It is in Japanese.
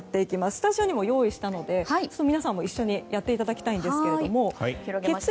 スタジオにも用意したので皆さんも一緒にやっていただきたいんですが。